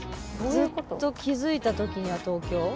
「ずっと気づいた時には東京」